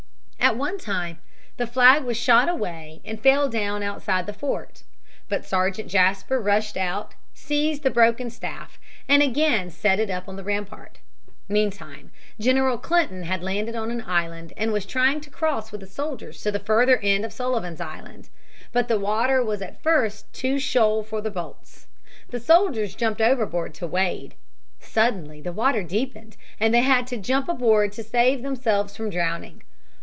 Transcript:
At one time the flag was shot away and fell down outside the fort. But Sergeant Jasper rushed out, seized the broken staff, and again set it up on the rampart. Meantime, General Clinton had landed on an island and was trying to cross with his soldiers to the further end of Sullivan's Island. But the water was at first too shoal for the boats. The soldiers jumped overboard to wade. Suddenly the water deepened, and they had to jump aboard to save themselves from drowning.